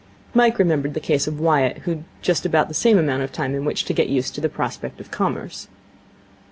Mike remembered the case of Wyatt, who had had just about the same amount of time in which to get used to the prospect of Commerce.